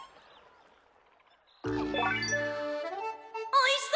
おいしそ！